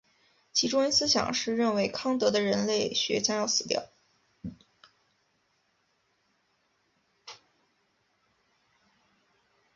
其中心思想是认为康德的人类学将要死掉。